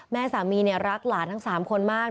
แม่สามีรักหลานทั้ง๓คนมาก